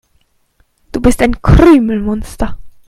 Du bist ein Krümelmonster.